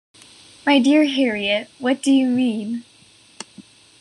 My dear Harriet, what do you mean?